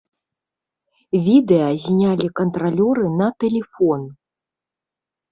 Відэа знялі кантралёры на тэлефон.